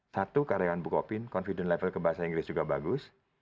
satu karyawan bukopin confident level ke bahasa inggris juga bagus